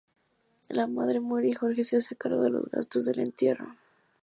La madre muere, y Jorge se hace cargo de los gastos del entierro.